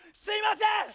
すいません！